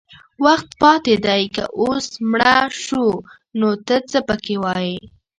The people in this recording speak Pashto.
وخت پاتې دی که اوس مړه شو نو ته څه پکې وایې